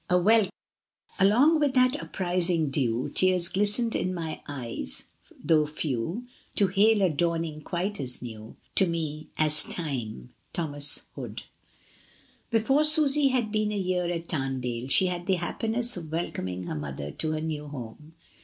A WELCOME. Along with that uprising dew Tears glistened in my eyes, tho* few, To hail a dawning quite as new To me as time, — T. Hood. Before Susy had been a year at Tamdale she had the happiness of welcoming her mother to her new home.